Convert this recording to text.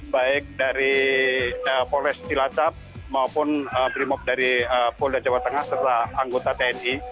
baik dari polres cilacap maupun brimob dari polda jawa tengah serta anggota tni